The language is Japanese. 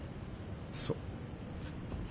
そう。